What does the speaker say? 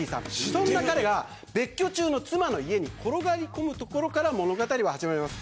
そんな彼が別居中の妻の家に転がり込むところから物語は始まります。